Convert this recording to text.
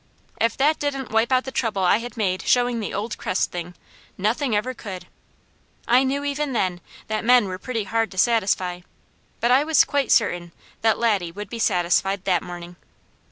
If that didn't wipe out the trouble I had made showing the old crest thing, nothing ever could. I knew even then, that men were pretty hard to satisfy, but I was quite certain that Laddie would be satisfied that morning.